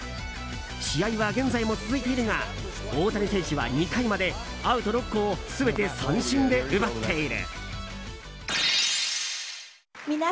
試合は現在も続いているが大谷選手は２回までアウト６個を全て三振で奪っている。